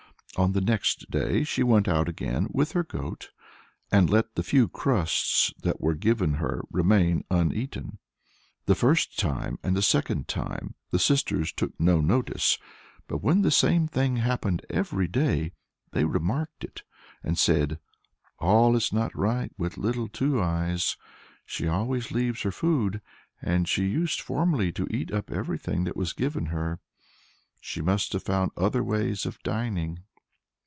On the next day she went out again with her goat, and let the few crusts that were given her remain uneaten. The first time and the second time the sisters took no notice; but when the same thing happened every day, they remarked it, and said, "All is not right with Little Two Eyes; she always leaves her food, and she used formerly to eat up everything that was given her; she must have found other ways of dining."